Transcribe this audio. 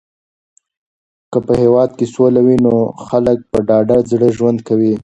که په هېواد کې سوله وي نو خلک په ډاډه زړه ژوند کوي.